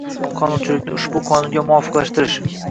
Qonunchilikni ushbu Qonunga muvofiqlashtirish